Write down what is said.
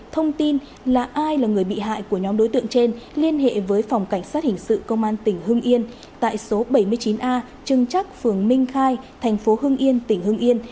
thông tin là ai là người bị hại của nhóm đối tượng trên liên hệ với phòng cảnh sát hình sự công an tỉnh hưng yên tại số bảy mươi chín a trưng trắc phường minh khai thành phố hưng yên tỉnh hưng yên